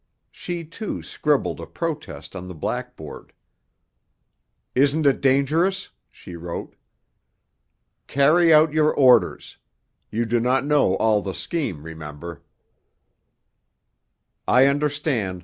She, too, scribbled a protest on the blackboard. "Isn't it dangerous?" she wrote. "Carry out your orders. You do not know all the scheme, remember." "I understand.